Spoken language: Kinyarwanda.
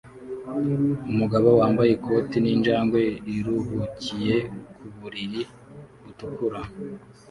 Umugabo wambaye ikoti ninjangwe iruhukiye ku buriri butukura